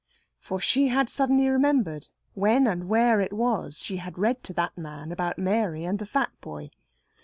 For she had suddenly remembered when and where it was she had read to that man about Mary and the fat boy.